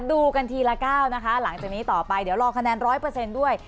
ดูกันทีละก้าวนะคะหลังจากนี้ต่อไปเดี๋ยวรอคะแนน๑๐๐ด้วย